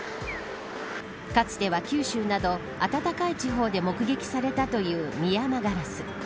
かつては九州など暖かい地方で目撃されたというミヤマガラス。